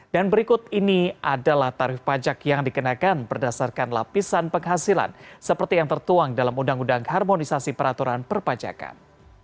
dan berikut ini adalah tarif pajak yang dikenakan berdasarkan lapisan penghasilan seperti yang tertuang dalam undang undang harmonisasi peraturan perpajakan